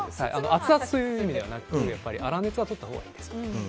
アツアツという意味ではなくて粗熱はとったほうがいいです。